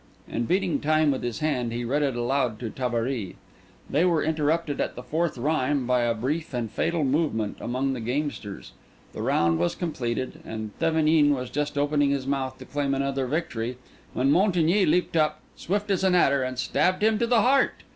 And beating time with his hand, he read it aloud to Tabary. They were interrupted at the fourth rhyme by a brief and fatal movement among the gamesters. The round was completed, and Thevenin was just opening his mouth to claim another victory, when Montigny leaped up, swift as an adder, and stabbed him to the heart.